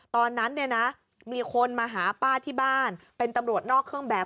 ตอนนั้นเนี่ยนะมีคนมาหาป้าที่บ้านเป็นตำรวจนอกเครื่องแบบ